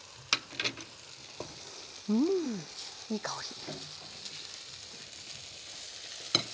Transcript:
うんいい香り。